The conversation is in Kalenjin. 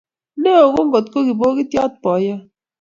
Neo ko ngotko kibogitiot boiyot